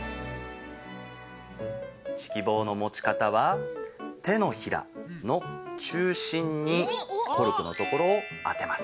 指揮棒の持ち方は手のひらのちゅうしんにコルクのところをあてます。